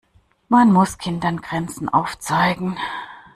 Man muss Kindern Grenzen aufzeigen.